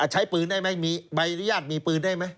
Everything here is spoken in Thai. ใช้ปืนได้ไหมมีใบอนุญาตมีปืนได้ไหม